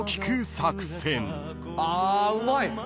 あうまい。